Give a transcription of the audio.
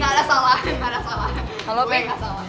gak ada salah